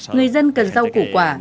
người dân cần rau củ quả